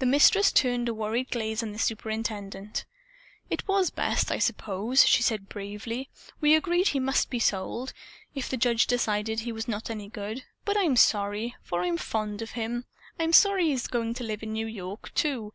The Mistress turned a worried gaze on the superintendent. "It was best, I suppose," she said bravely. "We agreed he must be sold, if the judge decided he was not any good. But I'm sorry. For I'm fond of him. I'm sorry he is going to live in New York, too.